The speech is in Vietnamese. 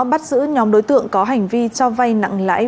bắt giữ nhóm đối tượng có hành vi cho vay nặng lãi